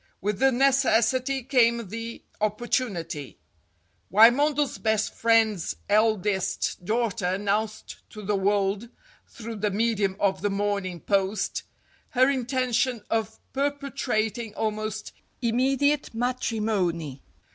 With the necessity came the op portunity. Wymondel's best friend's eldest daughter announced to the world, through the medium of the "Morning Post," her intention of perpetrating almost immedi ate matrimony.